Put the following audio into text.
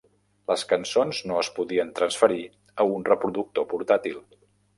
Les cançons no es podien transferir a un reproductor portàtil.